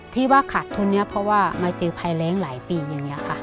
ที่ว่าขาดทุนนี้เพราะว่ามาเจอภัยแรงหลายปีอย่างนี้ค่ะ